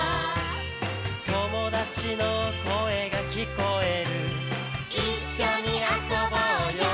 「友達の声が聞こえる」「一緒に遊ぼうよ」